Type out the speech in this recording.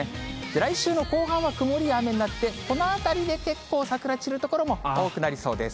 来週の後半は曇りや雨になって、このあたりで結構、桜、散る所も多くなりそうです。